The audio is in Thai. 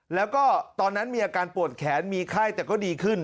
แล้วก็ตอนนั้นมีอาการปวดแขนมีไข้แต่ก็ดีขึ้น